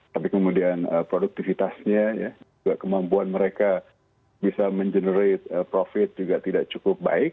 tapi kemudian produktivitasnya juga kemampuan mereka bisa mengenerate profit juga tidak cukup baik